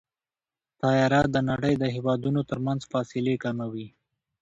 طیاره د نړۍ د هېوادونو ترمنځ فاصلې کموي.